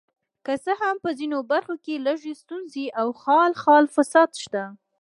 که څه هم په ځینو برخو کې لږې ستونزې او خال خال فساد شته.